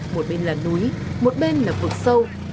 một bên là núi một bên là vực sâu